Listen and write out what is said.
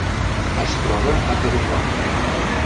Es troba a Califòrnia.